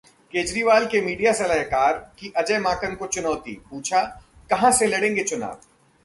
केजरीवाल के मीडिया सलाहकार की अजय माकन को चुनौती, पूछा- कहां से लड़ेंगे चुनाव